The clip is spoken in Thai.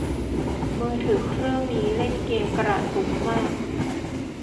มือถือเครื่องนี้เล่นเกมกระตุกมาก